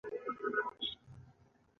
شپه او ورځ له هغو سره تېروم په پښتو ژبه.